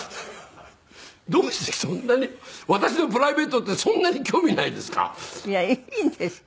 どうしてそんなに私のプライベートってそんなに興味ないですか？